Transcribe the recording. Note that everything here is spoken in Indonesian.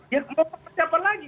ya mau pakai siapa lagi